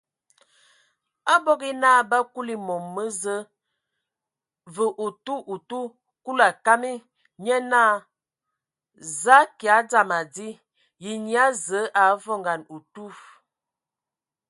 Abog yǝ naa bə akuli mom mə Zəə vǝ otu otu Kulu a kama, nye naa: Za akyaɛ, dzam adi! Ye nyia Zǝə a avoŋan otu?